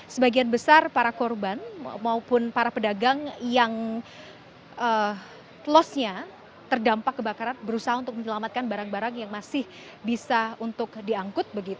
sebagian besar para korban maupun para pedagang yang losnya terdampak kebakaran berusaha untuk menyelamatkan barang barang yang masih bisa untuk diangkut